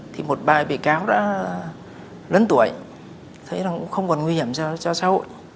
thì một bài bị cáo đã lớn tuổi thấy rằng cũng không còn nguy hiểm cho xã hội